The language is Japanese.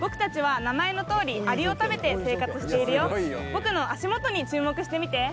僕の足元に注目してみて。